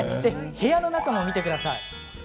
部屋の中を見てください。